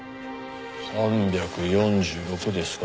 ３４６ですか？